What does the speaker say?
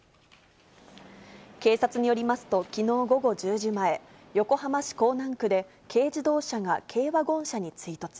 警察によりますと、きのう午後１０時前、横浜市港南区で、軽自動車が軽ワゴン車に追突。